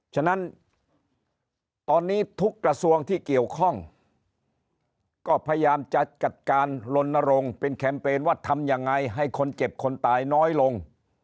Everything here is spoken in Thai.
ฉะนั้นตอนนี้ทุกกระทรวงที่เกี่ยวข้องก็พยายามจะจัดการลนรงค์เป็นแคมเปญว่าทำยังไงให้คนเจ็บคนตายน้อยลง